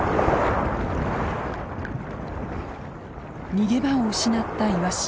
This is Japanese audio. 逃げ場を失ったイワシ。